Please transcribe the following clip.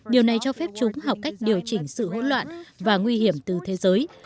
điều này cho phép chúng học cách điều chỉnh sự hỗn loạn và nguy hiểm từ thế giới